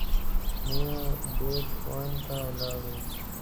نېغ بېټ ون ته ولاړو.